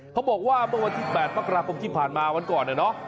เขาบอกว่าเมื่อวันที่๘มกราคมที่ผ่านมาวันก่อนนะเนาะ